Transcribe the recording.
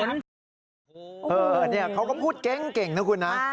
นี่เขาก็พูดเก่งนะคุณนะ